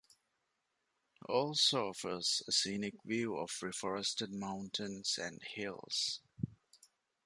Also offers a scenic view of reforested mountains and hills.